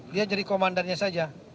dia jadi komandannya saja